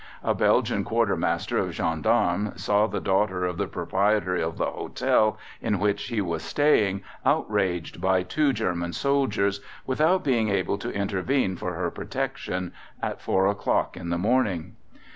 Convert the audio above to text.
A Belgian quartermaster of Gendarmes saw the daughter of the proprietor of the hotel in which he was staying outraged by two German soldiers, without being able to intervene for her protection, at four o'clock in the morning.